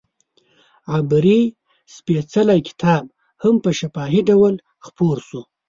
عبري سپېڅلی کتاب هم په شفاهي ډول خپور شو.